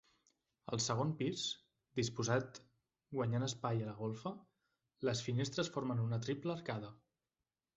Al segon pis, disposat guanyant espai a la golfa, les finestres formen una triple arcada.